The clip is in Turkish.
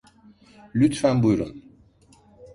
Lütfen buyrun.